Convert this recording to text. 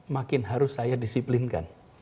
makin harus saya disiplinkan